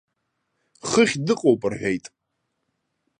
Хыхь дыҟоуп рҳәеит.